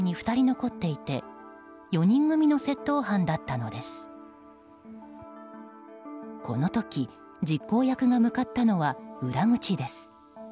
この時、実行役が向かったのは裏口です。